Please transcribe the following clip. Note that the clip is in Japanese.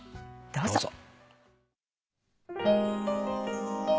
どうぞ。